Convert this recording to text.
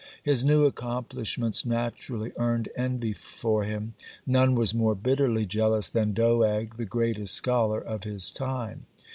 His new accomplishments naturally earned envy for him. None was more bitterly jealous than Doeg, the greatest scholar of his time.